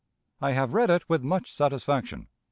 I have read it with much satisfaction.